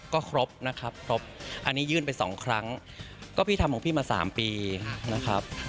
ก็ครบนะครับครบอันนี้ยื่นไปสองครั้งก็พี่ทำของพี่มา๓ปีนะครับ